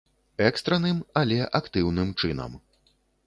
Экстранным, але актыўным чынам.